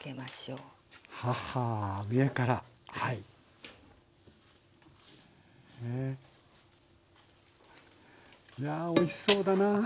うわおいしそうだなぁ。